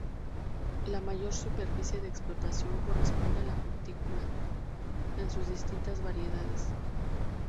La mayor superficie de explotación corresponde a la frutícola, en sus distintas variedades.